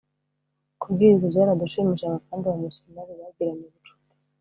Kubwiriza byaradushimishaga kandi abamisiyonari bagiranye ubucuti